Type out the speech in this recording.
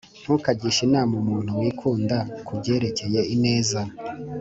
ntukagishe inama umuntu wikunda ku byerekeye ineza,